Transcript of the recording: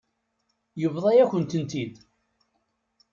Yebḍa-yakent-tent-id.